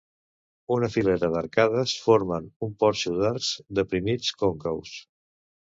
Una filera d'arcades formen un porxo d'arcs deprimits còncaus.